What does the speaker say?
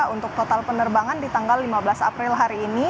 untuk total penerbangan di tanggal lima belas april hari ini